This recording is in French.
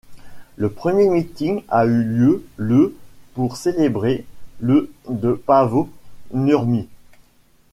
Le premier meeting a eu lieu le pour célébrer le de Paavo Nurmi.